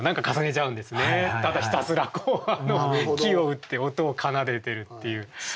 ただひたすらこう木を打って音を奏でてるっていう。